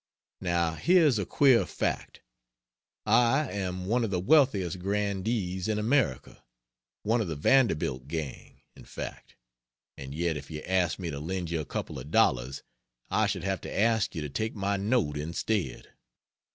Now here is a queer fact: I am one of the wealthiest grandees in America one of the Vanderbilt gang, in fact and yet if you asked me to lend you a couple of dollars I should have to ask you to take my note instead.